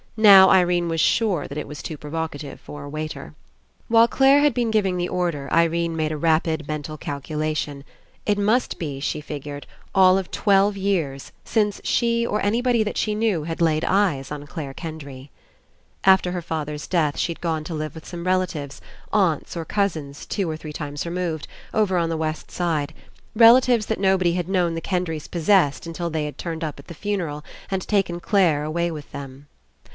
Now, Irene was sure that it was too provocative for a waiter. While Clare had been giving the order, Irene made a rapid mental calculation. It must 23 PASSING be, she figured, all of twelve years since she, or anybody that she knew, had laid eyes on Clare Kendry. After her father's death she'd gone to live with some relatives, aunts or cousins two or three times removed, over on the west side : relatives that nobody had known the Kendry's possessed until they had turned up at the fu neral and taken Clare away with them.